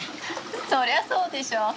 そりゃそうでしょう。